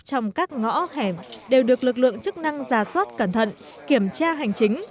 trong các ngõ hẻm đều được lực lượng chức năng ra soát cẩn thận kiểm tra hành chính